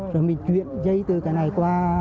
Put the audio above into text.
rồi mình chuyển dây từ cái này qua